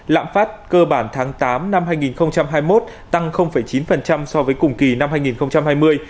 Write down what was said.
lạm phát cơ bản tháng tám năm hai nghìn hai mươi một tăng chín so với cùng kỳ năm hai nghìn hai mươi